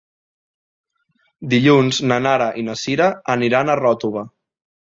Dilluns na Nara i na Sira aniran a Ròtova.